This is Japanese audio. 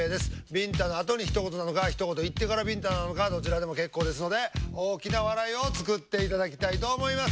びんたのあとにひと言なのかひと言言ってからびんたなのかどちらでも結構ですので大きな笑いを作っていただきたいと思います。